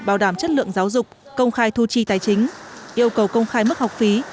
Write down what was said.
bảo đảm chất lượng giáo dục công khai thu chi tài chính yêu cầu công khai mức học phí